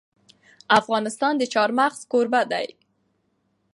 افغانستان د چار مغز کوربه دی.